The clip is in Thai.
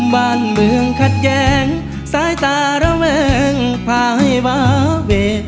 บ้านเมืองขัดแย้งสายตาระแวงพาให้วาเว